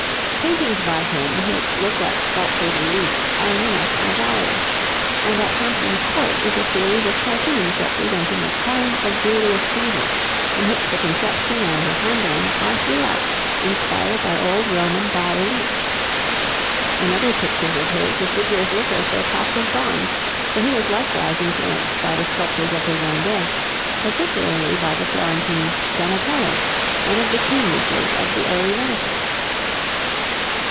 Paintings by him, which look like sculptured reliefs, are in the National Gallery; and at Hampton Court is a series of cartoons representing the Triumph of Julius Caesar, in which the conception and the handling are throughout inspired by old Roman bas reliefs. In other pictures of his, the figures look as though cast of bronze, for he was likewise influenced by the sculptors of his own day, particularly by the Florentine Donatello, one of the geniuses of the early Renaissance.